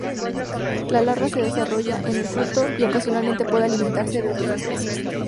La larva se desarrolla en el fruto y, ocasionalmente, puede alimentarse de otras especies.